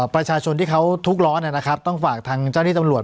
ประชาชนที่เขาทุกข์ร้อนนะครับต้องฝากทางเจ้าที่ตำรวจ